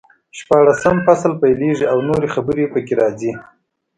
شپاړسم فصل پیلېږي او نورې خبرې پکې راځي.